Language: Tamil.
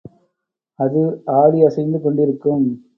அது ஆடி அசைந்து கொண்டிருக்கும்.